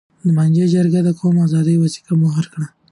د مانجې جرګې د قوم د آزادۍ وثیقه مهر کړه.